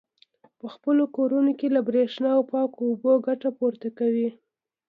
په خپلو کورونو کې له برېښنا او پاکو اوبو ګټه پورته کوي.